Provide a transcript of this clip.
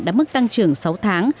đã mức tăng trưởng sáu tháng